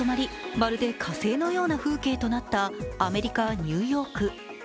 まるで火星のような風景となったアメリカ・ニューヨーク。